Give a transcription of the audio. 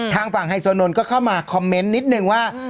ทางฝั่งไฮโซนนท์ก็เข้ามาคอมเมนต์นิดนึงว่า